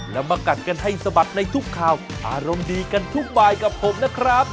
แล้วมากัดกันให้สะบัดในทุกข่าวอารมณ์ดีกันทุกบายกับผมนะครับ